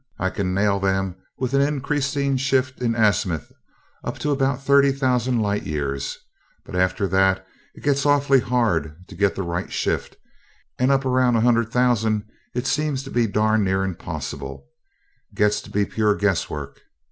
"I can nail them, with an increasing shift in azimuth, up to about thirty thousand light years, but after that it gets awfully hard to get the right shift, and up around a hundred thousand it seems to be darn near impossible gets to be pure guesswork.